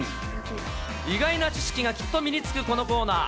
意外な知識がきっと身につくこのコーナー。